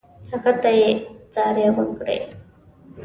هغه ته یې زارۍ وکړې.